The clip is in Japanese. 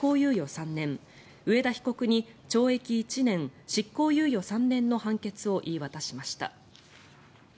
３年上田被告に懲役１年執行猶予３年の判決を言い渡しました。